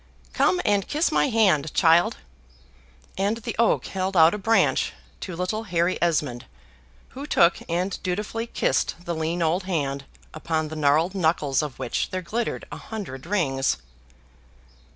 "Come and kiss my hand, child;" and the oak held out a BRANCH to little Harry Esmond, who took and dutifully kissed the lean old hand, upon the gnarled knuckles of which there glittered a hundred rings.